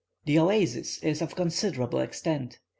This oasis is of considerable extent.